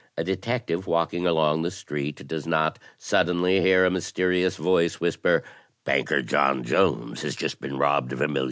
A detective walking along the street does not suddenly hear a mysterious voice whisper * Banker John Jones has just been robbed of $1,000,000.'